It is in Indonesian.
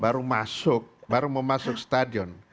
baru masuk baru mau masuk stadion